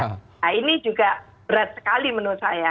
nah ini juga berat sekali menurut saya